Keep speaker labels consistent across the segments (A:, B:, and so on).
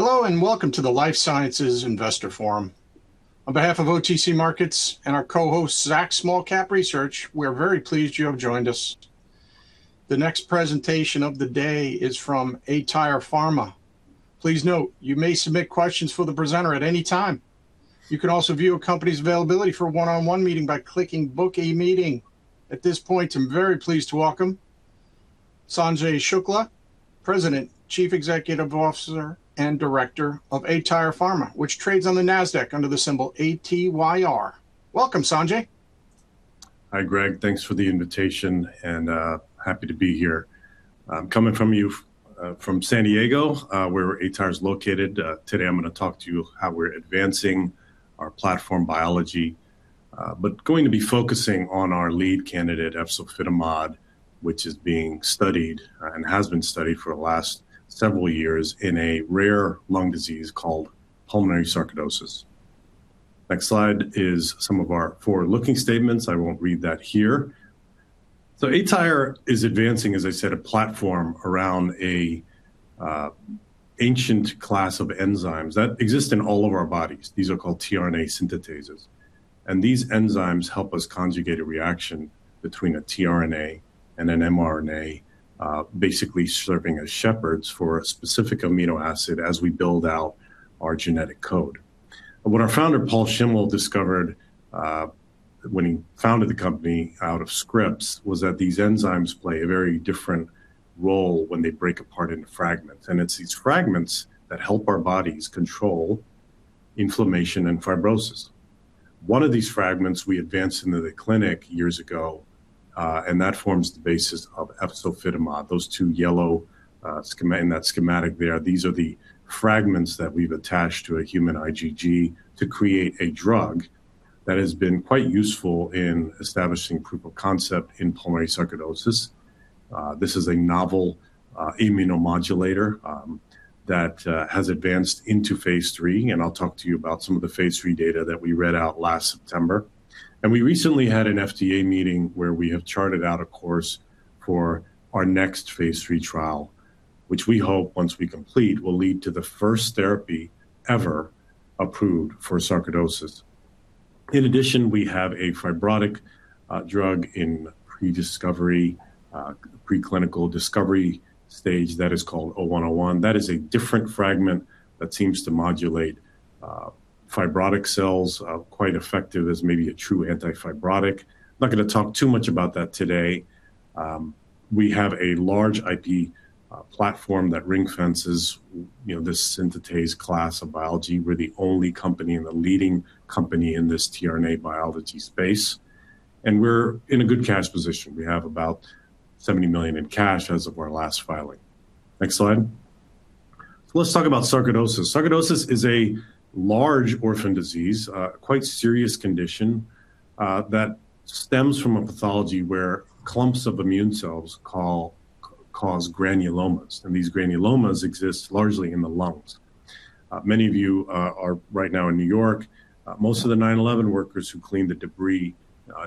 A: Hello, welcome to the Life Sciences Virtual Investor Forum. On behalf of OTC Markets Group and our co-host, Zacks Small Cap Research, we're very pleased you have joined us. The next presentation of the day is from aTyr Pharma. Please note, you may submit questions for the presenter at any time. You can also view a company's availability for a one-on-one meeting by clicking Book a Meeting. At this point, I'm very pleased to welcome Sanjay S. Shukla, President, Chief Executive Officer, and Director of aTyr Pharma, which trades on the Nasdaq under the symbol ATYR. Welcome, Sanjay.
B: Hi, Greg. Thanks for the invitation, happy to be here. I'm coming from San Diego, where aTyr is located. Today I'm going to talk to you how we're advancing our platform biology, going to be focusing on our lead candidate, efzofitimod, which is being studied, and has been studied for the last several years in a rare lung disease called pulmonary sarcoidosis. Next slide is some of our forward-looking statements. I won't read that here. aTyr is advancing, as I said, a platform around an ancient class of enzymes that exist in all of our bodies. These are called tRNA synthetases, these enzymes help us conjugate a reaction between a tRNA and an mRNA, basically serving as shepherds for a specific amino acid as we build out our genetic code. What our founder, Paul Schimmel, discovered when he founded the company out of Scripps was that these enzymes play a very different role when they break apart into fragments, it's these fragments that help our bodies control inflammation and fibrosis. One of these fragments we advanced into the clinic years ago, that forms the basis of efzofitimod, those two yellow in that schematic there. These are the fragments that we've attached to a human IgG to create a drug that has been quite useful in establishing proof of concept in pulmonary sarcoidosis. This is a novel immunomodulator that has advanced into phase III, I'll talk to you about some of the phase III data that we read out last September. We recently had an FDA meeting where we have charted out a course for our next phase III trial, which we hope, once we complete, will lead to the first therapy ever approved for sarcoidosis. In addition, we have a fibrotic drug in preclinical discovery stage that is called ATYR0101. That is a different fragment that seems to modulate fibrotic cells, quite effective as maybe a true anti-fibrotic. I'm not going to talk too much about that today. We have a large IP platform that ring-fences this synthetase class of biology. We're the only company, the leading company in this tRNA biology space, we're in a good cash position. We have about $70 million in cash as of our last filing. Next slide. Let's talk about sarcoidosis. Sarcoidosis is a large orphan disease, a quite serious condition that stems from a pathology where clumps of immune cells cause granulomas, and these granulomas exist largely in the lungs. Many of you are right now in New York. Most of the 9/11 workers who cleaned the debris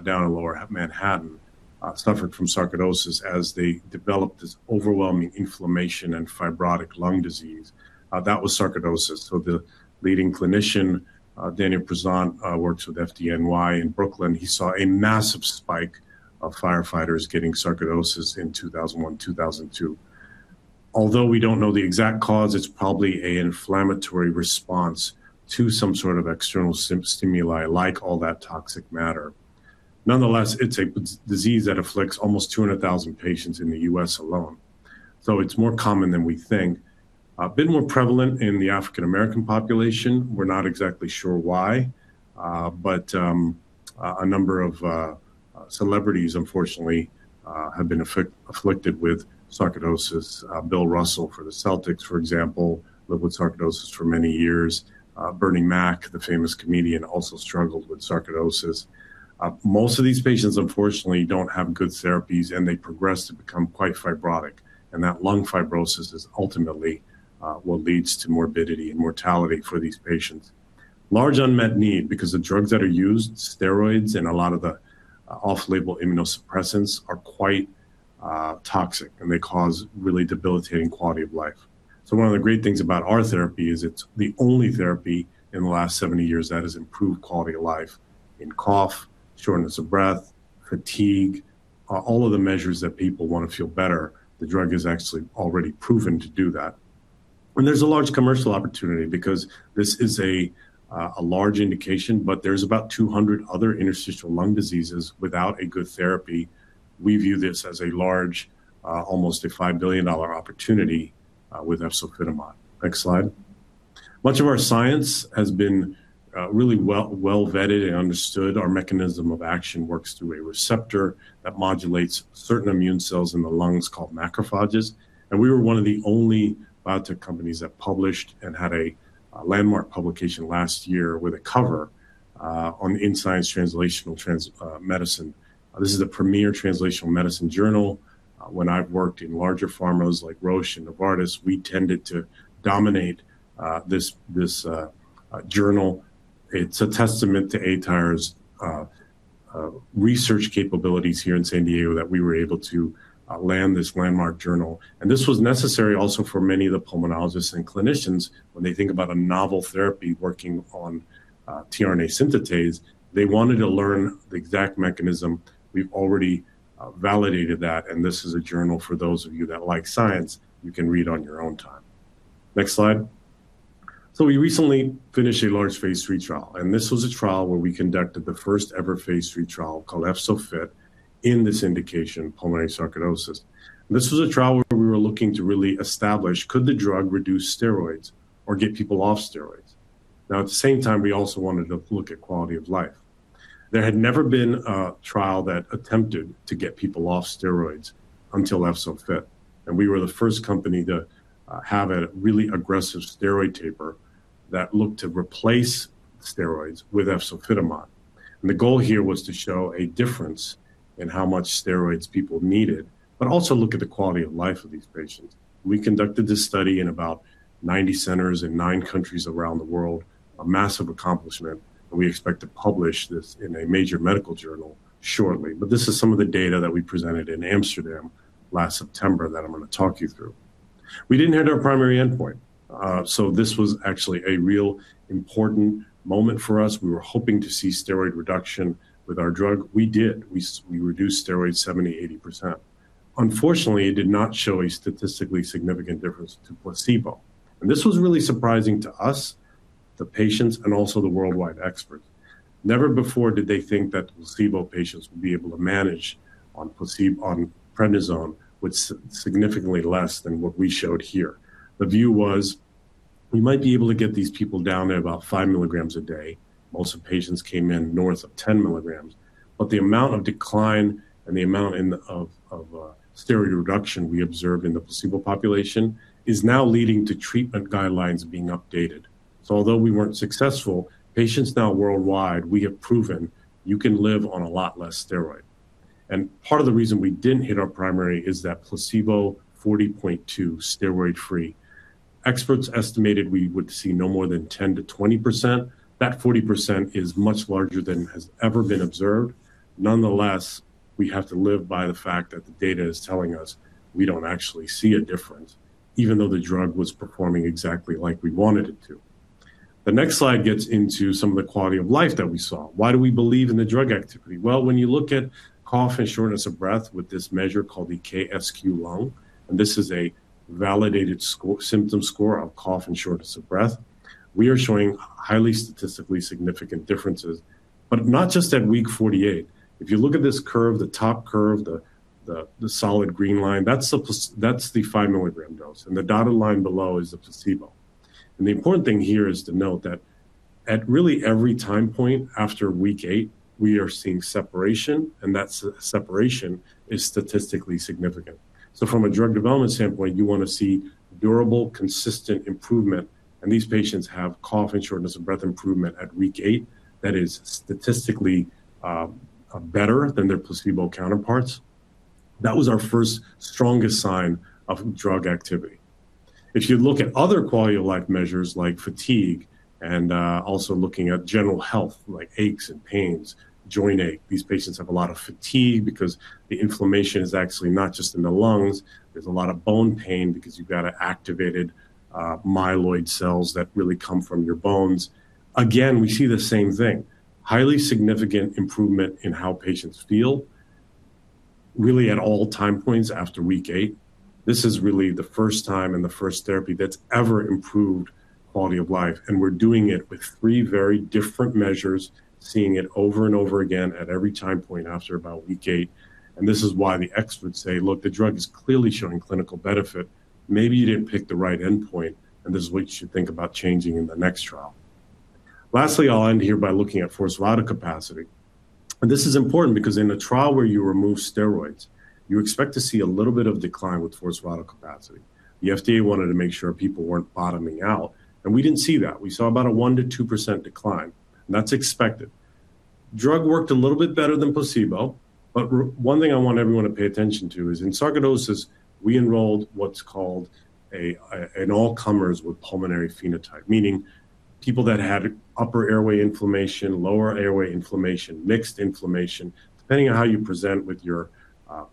B: down in Lower Manhattan suffered from sarcoidosis as they developed this overwhelming inflammation and fibrotic lung disease. That was sarcoidosis. The leading clinician, David Prezant, works with FDNY in Brooklyn. He saw a massive spike of firefighters getting sarcoidosis in 2001, 2002. Although we don't know the exact cause, it's probably an inflammatory response to some sort of external stimuli, like all that toxic matter. Nonetheless, it's a disease that afflicts almost 200,000 patients in the U.S. alone. It's more common than we think. A bit more prevalent in the African American population. We're not exactly sure why, a number of celebrities, unfortunately, have been afflicted with sarcoidosis. Bill Russell for the Celtics, for example, lived with sarcoidosis for many years. Bernie Mac, the famous comedian, also struggled with sarcoidosis. Most of these patients, unfortunately, don't have good therapies, and they progress to become quite fibrotic, and that lung fibrosis is ultimately what leads to morbidity and mortality for these patients. Large unmet need because the drugs that are used, steroids, and a lot of the off-label immunosuppressants are quite toxic, and they cause really debilitating quality of life. One of the great things about our therapy is it's the only therapy in the last 70 years that has improved quality of life in cough, shortness of breath, fatigue. All of the measures that people want to feel better, the drug is actually already proven to do that. There's a large commercial opportunity because this is a large indication, but there's about 200 other interstitial lung diseases without a good therapy. We view this as a large, almost a $5 billion opportunity, with efzofitimod. Next slide. Much of our science has been really well vetted and understood. Our mechanism of action works through a receptor that modulates certain immune cells in the lungs called macrophages, and we were one of the only biotech companies that published and had a landmark publication last year with a cover on the "Science Translational Medicine." This is a premier translational medicine journal. When I've worked in larger pharmas like Roche and Novartis, we tended to dominate this journal. It's a testament to aTyr's research capabilities here in San Diego that we were able to land this landmark journal. This was necessary also for many of the pulmonologists and clinicians when they think about a novel therapy working on tRNA synthetase, they wanted to learn the exact mechanism. We've already validated that, and this is a journal for those of you that like science, you can read on your own time. Next slide. We recently finished a large phase III trial, and this was a trial where we conducted the first ever phase III trial called EFZO-FIT in this indication, pulmonary sarcoidosis. This was a trial where we were looking to really establish could the drug reduce steroids or get people off steroids? At the same time, we also wanted to look at quality of life. There had never been a trial that attempted to get people off steroids until EFZO-FIT. We were the first company to have a really aggressive steroid taper that looked to replace steroids with efzofitimod. The goal here was to show a difference in how much steroids people needed, but also look at the quality of life of these patients. We conducted this study in about 90 centers in nine countries around the world, a massive accomplishment. We expect to publish this in a major medical journal shortly. This is some of the data that we presented in Amsterdam last September that I am going to talk you through. We did not hit our primary endpoint. This was actually a real important moment for us. We were hoping to see steroid reduction with our drug. We did. We reduced steroids 70%, 80%. Unfortunately, it did not show a statistically significant difference to placebo. This was really surprising to us, the patients, and also the worldwide experts. Never before did they think that placebo patients would be able to manage on prednisone with significantly less than what we showed here. The view was, we might be able to get these people down to about five milligrams a day. Most of the patients came in north of 10 milligrams. The amount of decline and the amount of steroid reduction we observed in the placebo population is now leading to treatment guidelines being updated. Although we were not successful, patients now worldwide, we have proven you can live on a lot less steroid. Part of the reason we did not hit our primary is that placebo 40.2% steroid free. Experts estimated we would see no more than 10%-20%. That 40% is much larger than has ever been observed. Nonetheless, we have to live by the fact that the data is telling us we do not actually see a difference, even though the drug was performing exactly like we wanted it to. The next slide gets into some of the quality of life that we saw. Why do we believe in the drug activity? Well, when you look at cough and shortness of breath with this measure called the KSQ-L, this is a validated symptom score of cough and shortness of breath. We are showing highly statistically significant differences, but not just at week 48. If you look at this curve, the top curve, the solid green line, that is the five milligram dose, and the dotted line below is the placebo. The important thing here is to note that at really every time point after week eight, we are seeing separation, and that separation is statistically significant. From a drug development standpoint, you want to see durable, consistent improvement, and these patients have cough and shortness of breath improvement at week eight that is statistically better than their placebo counterparts. That was our first strongest sign of drug activity. If you look at other quality of life measures like fatigue and also looking at general health like aches and pains, joint ache, these patients have a lot of fatigue because the inflammation is actually not just in the lungs. There is a lot of bone pain because you have activated myeloid cells that really come from your bones. Again, we see the same thing. Highly significant improvement in how patients feel really at all time points after week eight. This is really the first time and the first therapy that's ever improved quality of life, and we're doing it with three very different measures, seeing it over and over again at every time point after about week eight. This is why the experts say, "Look, the drug is clearly showing clinical benefit. Maybe you didn't pick the right endpoint, and this is what you should think about changing in the next trial." Lastly, I'll end here by looking at forced vital capacity. This is important because in a trial where you remove steroids, you expect to see a little bit of decline with forced vital capacity. The FDA wanted to make sure people weren't bottoming out, and we didn't see that. We saw about a 1%-2% decline. That's expected. Drug worked a little bit better than placebo. One thing I want everyone to pay attention to is in sarcoidosis, we enrolled what's called an all-comers with pulmonary phenotype, meaning people that had upper airway inflammation, lower airway inflammation, mixed inflammation. Depending on how you present with your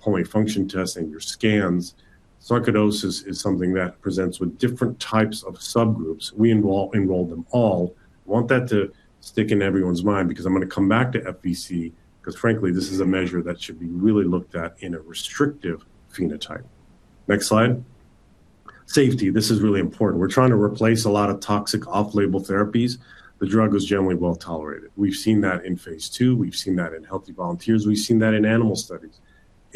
B: pulmonary function testing, your scans, sarcoidosis is something that presents with different types of subgroups. We enrolled them all. Want that to stick in everyone's mind because I'm going to come back to FVC because frankly, this is a measure that should be really looked at in a restrictive phenotype. Next slide. Safety. This is really important. We're trying to replace a lot of toxic off-label therapies. The drug was generally well-tolerated. We've seen that in phase II. We've seen that in healthy volunteers. We've seen that in animal studies.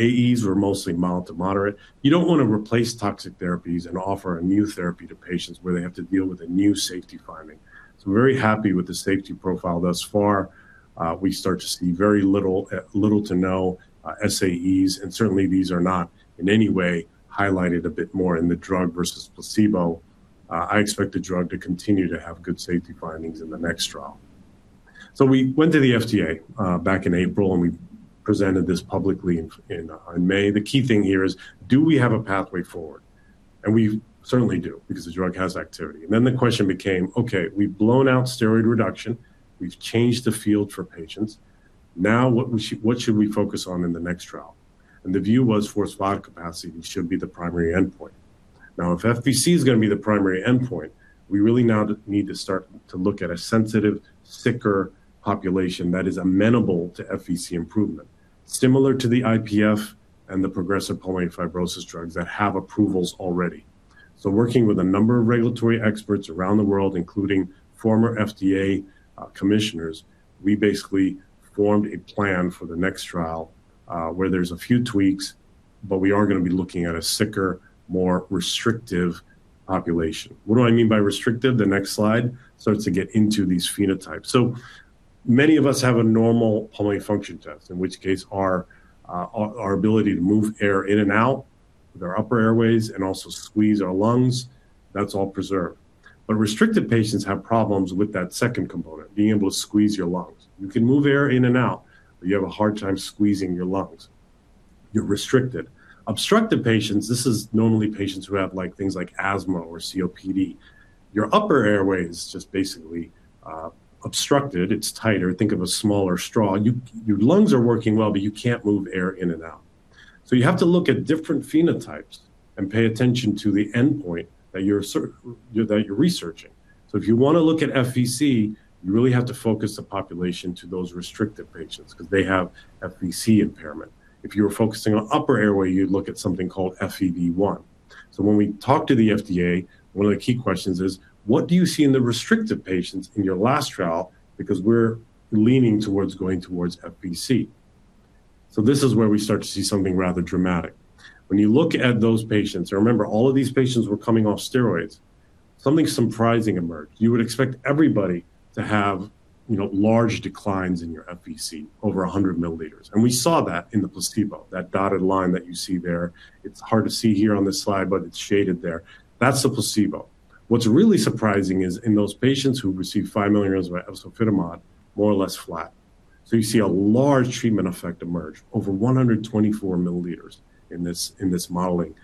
B: AEs were mostly mild to moderate. You don't want to replace toxic therapies and offer a new therapy to patients where they have to deal with a new safety finding. I'm very happy with the safety profile thus far. We start to see very little to no SAEs, and certainly these are not in any way highlighted a bit more in the drug versus placebo. I expect the drug to continue to have good safety findings in the next trial. We went to the FDA back in April. We presented this publicly in May. The key thing here is, do we have a pathway forward? We certainly do because the drug has activity. The question became, okay, we've blown out steroid reduction. We've changed the field for patients. Now what should we focus on in the next trial? The view was forced vital capacity should be the primary endpoint. If FVC is going to be the primary endpoint, we really now need to start to look at a sensitive, sicker population that is amenable to FVC improvement, similar to the IPF and the progressive pulmonary fibrosis drugs that have approvals already. Working with a number of regulatory experts around the world, including former FDA commissioners, we basically formed a plan for the next trial, where there's a few tweaks, but we are going to be looking at a sicker, more restrictive population. What do I mean by restrictive? The next slide starts to get into these phenotypes. Many of us have a normal pulmonary function test, in which case our ability to move air in and out with our upper airways and also squeeze our lungs, that's all preserved. Restricted patients have problems with that second component, being able to squeeze your lungs. You can move air in and out, but you have a hard time squeezing your lungs. You're restricted. Obstructive patients, this is normally patients who have things like asthma or COPD. Your upper airway is just basically obstructed. It's tighter. Think of a smaller straw. Your lungs are working well, but you can't move air in and out. You have to look at different phenotypes and pay attention to the endpoint that you're researching. If you want to look at FVC, you really have to focus the population to those restricted patients because they have FVC impairment. If you were focusing on upper airway, you'd look at something called FEV1. When we talk to the FDA, one of the key questions is: What do you see in the restricted patients in your last trial? Because we're leaning towards going towards FVC. This is where we start to see something rather dramatic. When you look at those patients, and remember, all of these patients were coming off steroids, something surprising emerged. You would expect everybody to have large declines in your FVC over 100 milliliters. And we saw that in the placebo, that dotted line that you see there. It's hard to see here on this slide, but it's shaded there. That's the placebo. What's really surprising is in those patients who received five milligrams of efzofitimod, more or less flat. You see a large treatment effect emerge, over 124 milliliters in this modeling.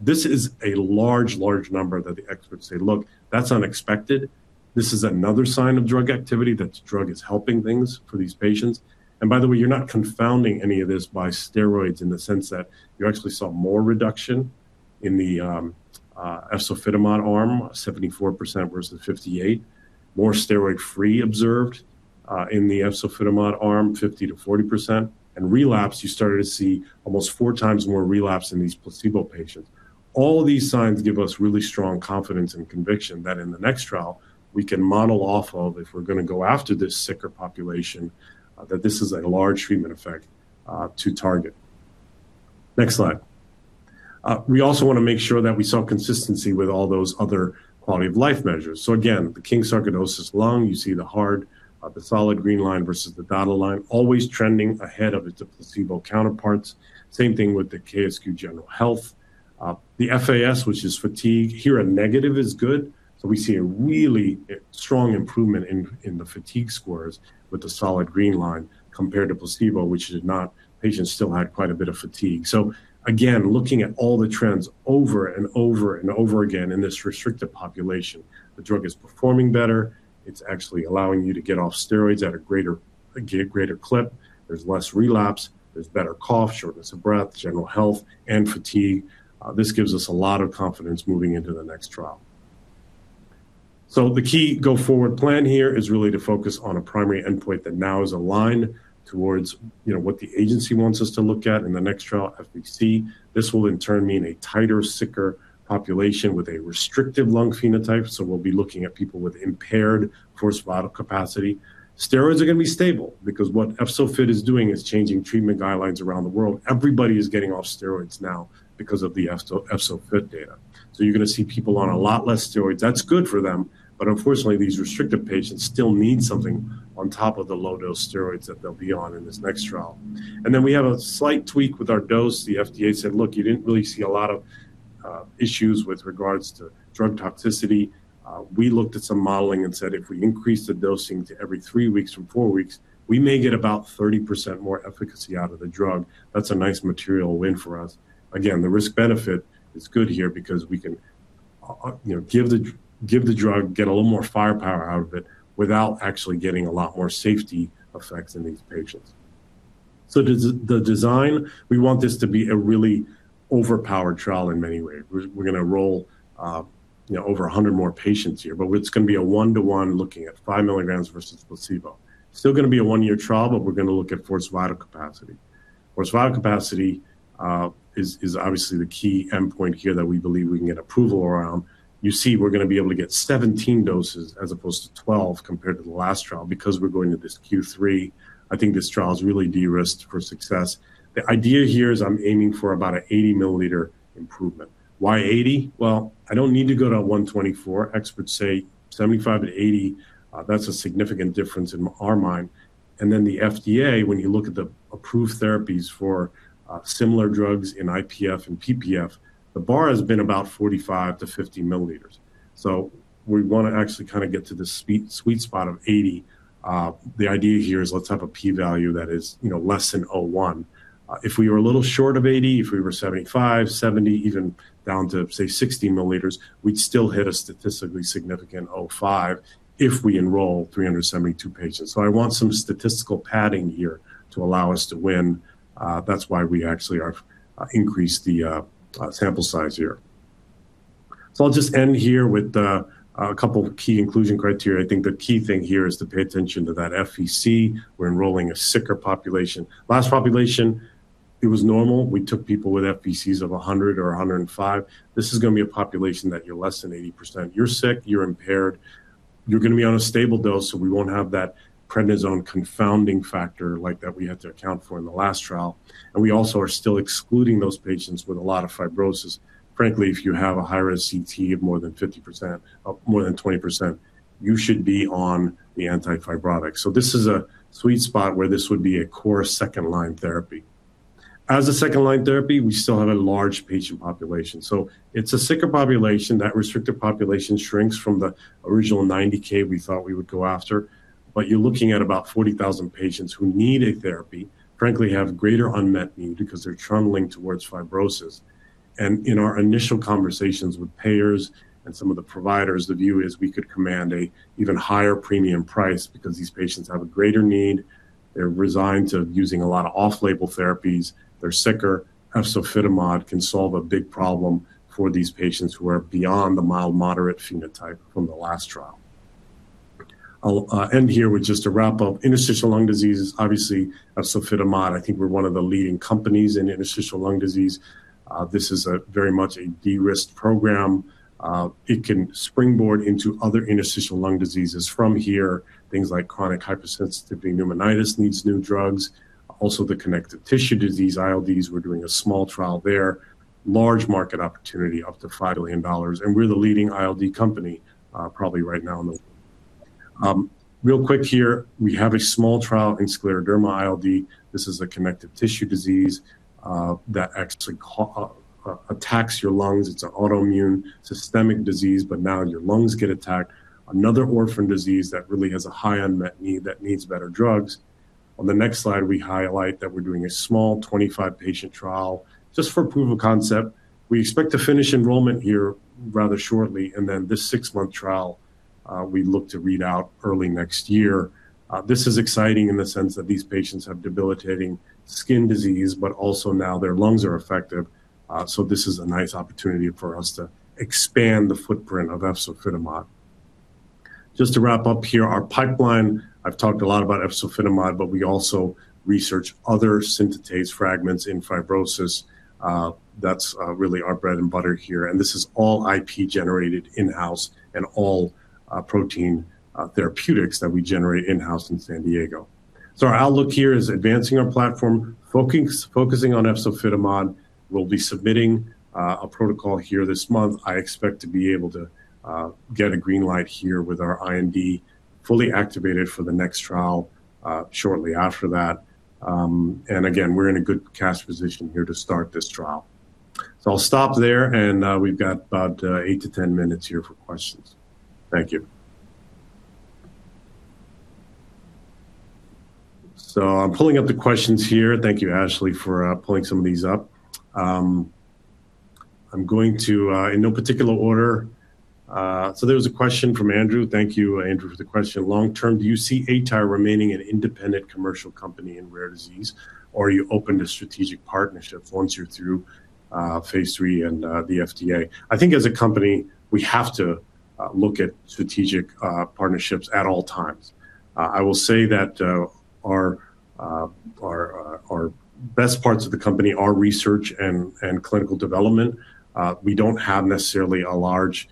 B: This is a large number that the experts say, "Look, that's unexpected." This is another sign of drug activity, that the drug is helping things for these patients. And by the way, you're not confounding any of this by steroids in the sense that you actually saw more reduction in the efzofitimod arm, 74% versus 58%, more steroid free observed in the efzofitimod arm, 50% to 40%, and relapse, you started to see almost four times more relapse in these placebo patients. All of these signs give us really strong confidence and conviction that in the next trial, we can model off of, if we're going to go after this sicker population, that this is a large treatment effect to target. Next slide. We also want to make sure that we saw consistency with all those other quality of life measures. Again, the King's Sarcoidosis lung, you see the solid green line versus the dotted line, always trending ahead of its placebo counterparts. Same thing with the KSQ general health. The FAS, which is fatigue, here a negative is good. We see a really strong improvement in the fatigue scores with the solid green line compared to placebo, which did not. Patients still had quite a bit of fatigue. Again, looking at all the trends over and over again in this restricted population, the drug is performing better. It's actually allowing you to get off steroids at a greater clip. There's less relapse. There's better cough, shortness of breath, general health, and fatigue. This gives us a lot of confidence moving into the next trial. The key go forward plan here is really to focus on a primary endpoint that now is aligned towards what the agency wants us to look at in the next trial, FVC. This will in turn mean a tighter, sicker population with a restrictive lung phenotype. We'll be looking at people with impaired forced vital capacity. Steroids are going to be stable because what efzofitimod is doing is changing treatment guidelines around the world. Everybody is getting off steroids now because of the efzofitimod data. That's good for them, unfortunately, these restricted patients still need something on top of the low dose steroids that they'll be on in this next trial. We have a slight tweak with our dose. The FDA said, "Look, you didn't really see a lot of issues with regards to drug toxicity." We looked at some modeling and said, if we increase the dosing to every three weeks from four weeks, we may get about 30% more efficacy out of the drug. That's a nice material win for us. Again, the risk benefit is good here because we can give the drug, get a little more firepower out of it without actually getting a lot more safety effects in these patients. The design, we want this to be a really overpowered trial in many ways. We're going to roll over 100 more patients here, it's going to be a one-to-one looking at five milligrams versus placebo. Still going to be a one-year trial, we're going to look at forced vital capacity. Forced vital capacity is obviously the key endpoint here that we believe we can get approval around. You see we're going to be able to get 17 doses as opposed to 12 compared to the last trial because we're going to this Q3. I think this trial is really de-risked for success. The idea here is I'm aiming for about an 80 milliliter improvement. Why 80? I don't need to go to 124. Experts say 75 and 80, that's a significant difference in our mind. The FDA, when you look at the approved therapies for similar drugs in IPF and PPF, the bar has been about 45 to 50 milliliters. We want to actually get to the sweet spot of 80. The idea here is let's have a P value that is less than 0.01. If we were a little short of 80, if we were 75, 70, even down to, say, 60 milliliters, we'd still hit a statistically significant 0.05 if we enroll 372 patients. I want some statistical padding here to allow us to win. That's why we actually increased the sample size here. I'll just end here with a couple key inclusion criteria. I think the key thing here is to pay attention to that FVC. We're enrolling a sicker population. Last population, it was normal. We took people with FVCs of 100 or 105. This is going to be a population that you're less than 80%. You're sick, you're impaired, you're going to be on a stable dose, we won't have that prednisone confounding factor like that we had to account for in the last trial. We also are still excluding those patients with a lot of fibrosis. Frankly, if you have a high-risk CT of more than 20%, you should be on the anti-fibrotic. This is a sweet spot where this would be a core second-line therapy. As a second-line therapy, we still have a large patient population. That restricted population shrinks from the original 90,000 we thought we would go after. You're looking at about 40,000 patients who need a therapy, frankly, have greater unmet need because they're trundling towards fibrosis. In our initial conversations with payers and some of the providers, the view is we could command an even higher premium price because these patients have a greater need. They're resigned to using a lot of off-label therapies. They're sicker. efzofitimod can solve a big problem for these patients who are beyond the mild-moderate phenotype from the last trial. I'll end here with just a wrap-up. Interstitial lung disease is obviously efzofitimod. I think we're one of the leading companies in interstitial lung disease. This is very much a de-risked program. It can springboard into other interstitial lung diseases from here. Things like chronic hypersensitivity pneumonitis needs new drugs. Also the connective tissue disease, ILDs, we're doing a small trial there. Large market opportunity, up to $5 billion. We're the leading ILD company probably right now in the world. Real quick here, we have a small trial in scleroderma ILD. This is a connective tissue disease that actually attacks your lungs. It's an autoimmune systemic disease, but now your lungs get attacked. Another orphan disease that really has a high unmet need that needs better drugs. On the next slide, we highlight that we're doing a small 25-patient trial just for proof of concept. We expect to finish enrollment here rather shortly, and then this six-month trial, we look to read out early next year. This is exciting in the sense that these patients have debilitating skin disease, but also now their lungs are affected. This is a nice opportunity for us to expand the footprint of efzofitimod. Just to wrap up here, our pipeline, I've talked a lot about efzofitimod, we also research other synthetase fragments in fibrosis. That's really our bread and butter here, this is all IP generated in-house and all protein therapeutics that we generate in-house in San Diego. Our outlook here is advancing our platform, focusing on efzofitimod. We'll be submitting a protocol here this month. I expect to be able to get a green light here with our IND fully activated for the next trial shortly after that. Again, we're in a good cash position here to start this trial. I'll stop there, we've got about eight to 10 minutes here for questions. Thank you. I'm pulling up the questions here. Thank you, Ashlee, for pulling some of these up. In no particular order. There was a question from Andrew. Thank you, Andrew, for the question. Long-term, do you see aTyr remaining an independent commercial company in rare disease, or are you open to strategic partnerships once you're through Phase III and the FDA? I think as a company, we have to look at strategic partnerships at all times. I will say that our best parts of the company are research and clinical development. We don't have necessarily a large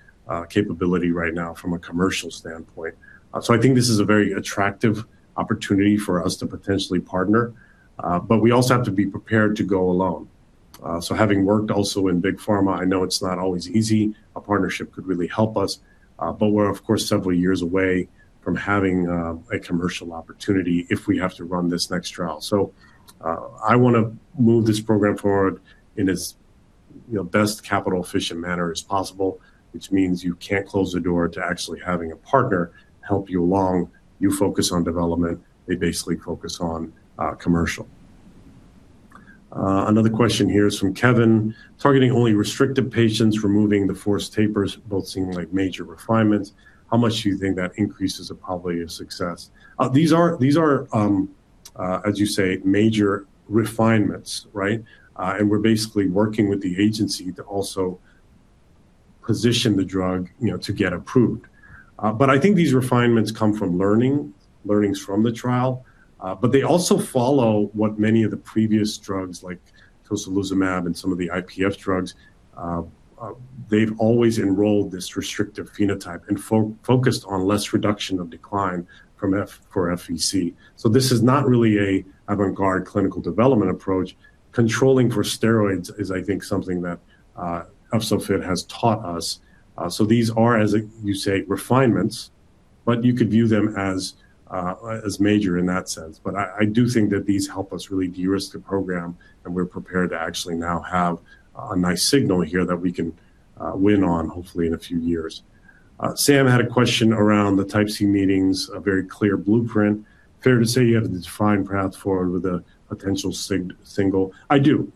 B: capability right now from a commercial standpoint. I think this is a very attractive opportunity for us to potentially partner. We also have to be prepared to go alone. Having worked also in big pharma, I know it's not always easy. A partnership could really help us. We're of course, several years away from having a commercial opportunity if we have to run this next trial. I want to move this program forward in as best capital-efficient manner as possible, which means you can't close the door to actually having a partner help you along. You focus on development. They basically focus on commercial. Another question here is from Kevin. Targeting only restricted patients, removing the forced tapers both seem like major refinements. How much do you think that increases the probability of success? These are, as you say, major refinements, right? We're basically working with the agency to also position the drug to get approved. I think these refinements come from learnings from the trial. They also follow what many of the previous drugs like tocilizumab and some of the IPF drugs. They've always enrolled this restrictive phenotype and focused on less reduction of decline for FVC. This is not really an avant-garde clinical development approach. Controlling for steroids is, I think, something that efzofitimod has taught us. These are, as you say, refinements. You could view them as major in that sense. I do think that these help us really de-risk the program, and we're prepared to actually now have a nice signal here that we can win on, hopefully in a few years. Sam had a question around the Type C meetings, a very clear blueprint. Fair to say you have a defined path forward with a potential single? I do.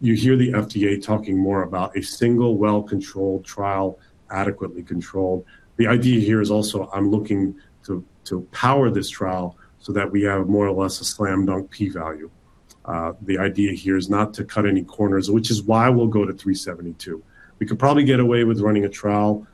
B: You hear the FDA talking more about a single, well-controlled trial, adequately controlled. The idea here is also I'm looking to power this trial so that we have more or less a slam dunk P value. The idea here is not to cut any corners, which is why we'll go to 372. We could probably get away with running a trial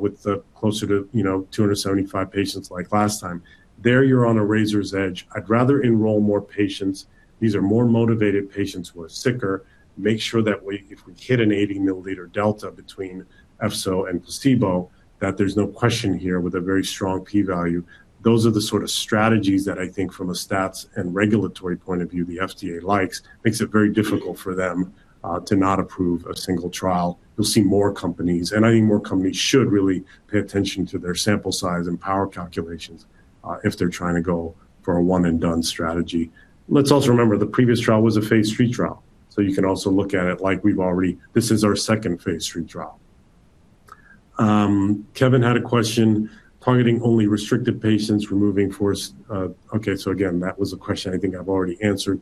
B: with closer to 275 patients like last time. There you're on a razor's edge. I'd rather enroll more patients. These are more motivated patients who are sicker. Make sure that if we hit an 80-milliliter delta between efzo and placebo, that there's no question here with a very strong P value. Those are the sort of strategies that I think from a stats and regulatory point of view, the FDA likes. Makes it very difficult for them to not approve a single trial. You'll see more companies, and I think more companies should really pay attention to their sample size and power calculations if they're trying to go for a one and done strategy. Let's also remember the previous trial was a phase III trial. You can also look at it like this is our second phase III trial. Kevin had a question. Targeting only restricted patients, we're moving for. Again, that was a question I think I've already answered.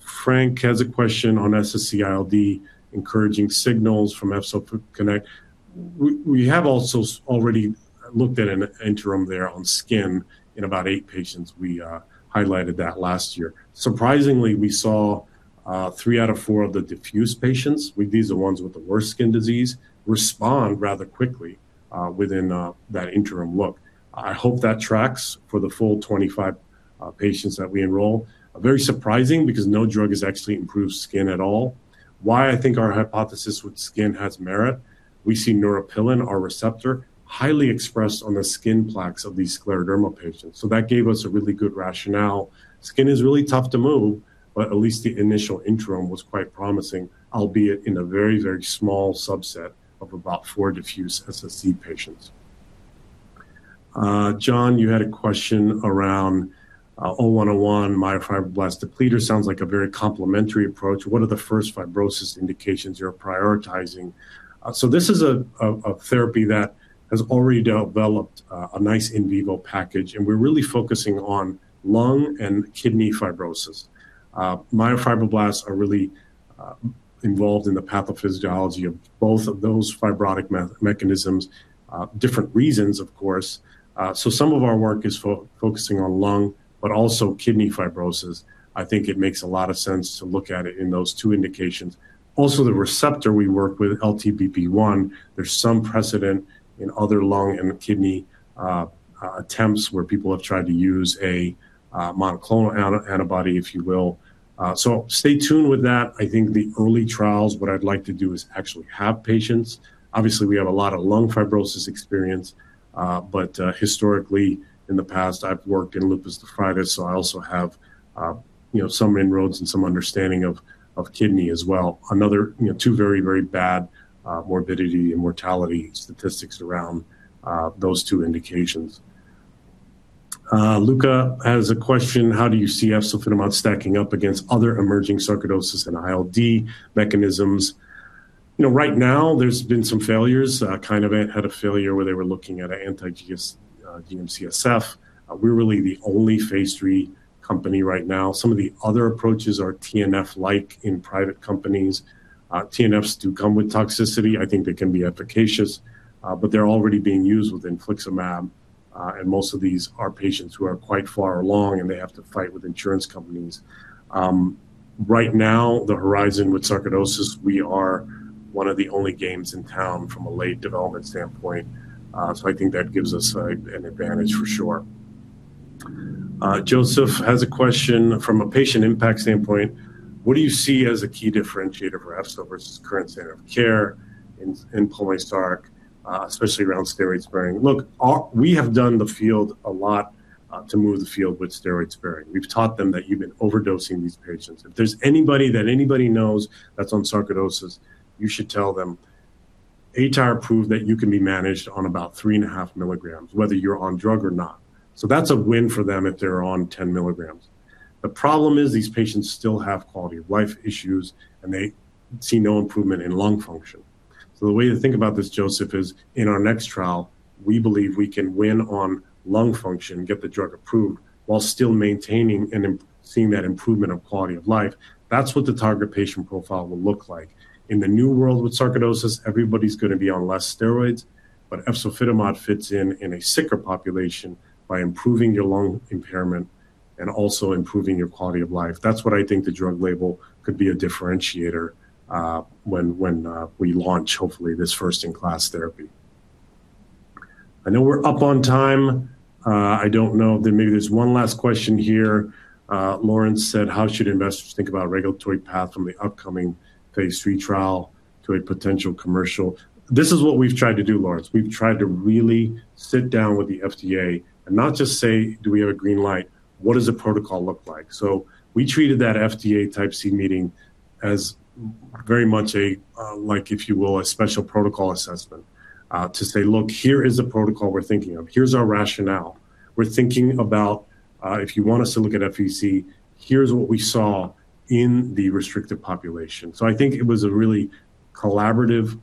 B: Frank has a question on SSc-ILD, encouraging signals from efzofitimod. We have also already looked at an interim there on skin in about eight patients. We highlighted that last year. Surprisingly, we saw three out of four of the diffuse patients, these are ones with the worst skin disease, respond rather quickly within that interim look. I hope that tracks for the full 25 patients that we enroll. Very surprising, because no drug has actually improved skin at all. Why I think our hypothesis with skin has merit, we see neuropilin, our receptor, highly expressed on the skin plaques of these scleroderma patients. That gave us a really good rationale. Skin is really tough to move, at least the initial interim was quite promising, albeit in a very small subset of about four diffuse SSc patients. John, you had a question around 0101 myofibroblast depleter. Sounds like a very complimentary approach. What are the first fibrosis indications you're prioritizing? This is a therapy that has already developed a nice in vivo package, and we're really focusing on lung and kidney fibrosis. Myofibroblasts are really involved in the pathophysiology of both of those fibrotic mechanisms. Different reasons, of course. Some of our work is focusing on lung but also kidney fibrosis. I think it makes a lot of sense to look at it in those two indications. Also, the receptor we work with, LTBP1, there's some precedent in other lung and kidney attempts where people have tried to use a monoclonal antibody, if you will. Stay tuned with that. I think the early trials, what I'd like to do is actually have patients. Obviously, we have a lot of lung fibrosis experience, historically in the past, I've worked in lupus nephritis, I also have some inroads and some understanding of kidney as well. Another two very bad morbidity and mortality statistics around those two indications. Luca has a question. How do you see efzofitimod stacking up against other emerging sarcoidosis and ILD mechanisms? Right now, there's been some failures. Kinevant had a failure where they were looking at an anti-GM-CSF. We're really the only phase III company right now. Some of the other approaches are TNF-like in private companies. TNFs do come with toxicity. I think they can be efficacious. They're already being used with infliximab, and most of these are patients who are quite far along, and they have to fight with insurance companies. Right now, the horizon with sarcoidosis, we are one of the only games in town from a late development standpoint. I think that gives us an advantage for sure. Joseph has a question. From a patient impact standpoint, what do you see as a key differentiator for efzo versus current standard of care in pulm sarcoidosis, especially around steroid sparing? Look, we have done the field a lot to move the field with steroid sparing. We've taught them that you've been overdosing these patients. If there's anybody that anybody knows that's on sarcoidosis, you should tell them aTyr proved that you can be managed on about three and a half milligrams, whether you're on drug or not. That's a win for them if they're on 10 milligrams. The problem is these patients still have quality of life issues, and they see no improvement in lung function. The way to think about this, Joseph, is in our next trial, we believe we can win on lung function, get the drug approved while still maintaining and seeing that improvement of quality of life. That's what the target patient profile will look like. In the new world with sarcoidosis, everybody's going to be on less steroids, efzofitimod fits in in a sicker population by improving your lung impairment and also improving your quality of life. That's what I think the drug label could be a differentiator when we launch, hopefully this first-in-class therapy. I know we're up on time. I don't know. Maybe there's one last question here. Lawrence said, "How should investors think about regulatory path from the upcoming phase III trial to a potential commercial?" This is what we've tried to do, Lawrence. We've tried to really sit down with the FDA and not just say, do we have a green light? What does the protocol look like? We treated that FDA Type C meeting as very much a, like, if you will, a special protocol assessment to say, look, here is a protocol we're thinking of. Here's our rationale. We're thinking about if you want us to look at FVC, here's what we saw in the restricted population. I think it was a really collaborative,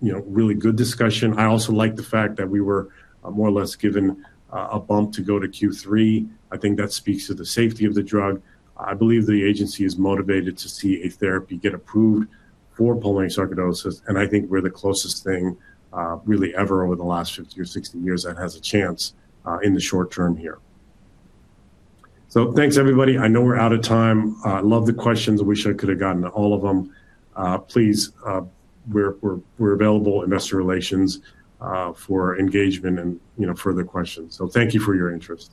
B: really good discussion. I also like the fact that we were more or less given a bump to go to Q3. I think that speaks to the safety of the drug. I believe the agency is motivated to see a therapy get approved for pulmonary sarcoidosis, and I think we're the closest thing really ever over the last 15 or 16 years that has a chance in the short term here. Thanks everybody. I know we're out of time. I love the questions. I wish I could have gotten to all of them. Please, we're available, investor relations, for engagement and further questions. Thank you for your interest